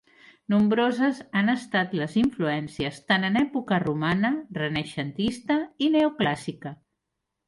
Nombroses han estat les influències tant en època romana, renaixentista i neoclàssica.